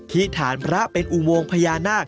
ที่ฐานพระเป็นอุโมงพญานาค